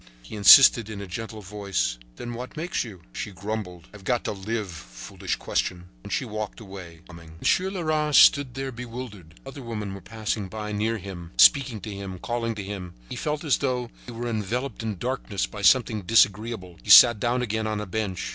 He insisted in a gentle voice: "Then what makes you?" She grumbled: "I've got to live! Foolish question!" And she walked away, humming. Monsieur Leras stood there bewildered. Other women were passing near him, speaking to him and calling to him. He felt as though he were enveloped in darkness by something disagreeable. He sat down again on a bench.